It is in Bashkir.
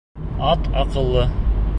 Ат аҡыллы.